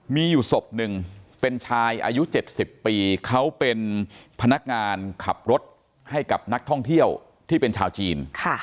มีอยู่ศพหนึ่งเป็นชายอายุ๗๐ปีเขาเป็นพนักงานขับรถให้กับนักท่องเที่ยวที่เป็นชาวจีน